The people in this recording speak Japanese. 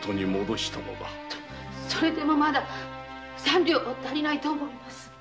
それでもまだ三両は足りないと思います。